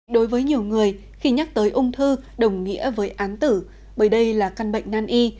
đối với nhiều người khi nhắc tới ung thư đồng nghĩa với án tử bởi đây là căn bệnh nan y